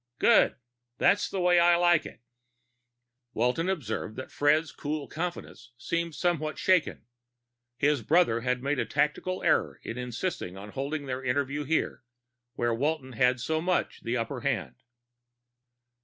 "Good. That's the way I like it." Walton observed that Fred's cool confidence seemed somewhat shaken. His brother had made a tactical error in insisting on holding their interview here, where Walton had so much the upper hand.